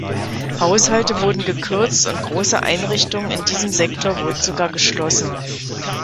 Haushalte wurden gekürzt und große Einrichtungen in diesem Sektor wurden sogar geschlossen.